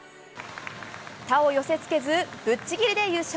他を寄せ付けず、ぶっちぎりで優勝。